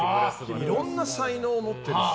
いろんな才能を持ってるし。